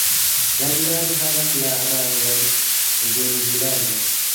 La vilaĝo havas la rangon vinvilaĝo.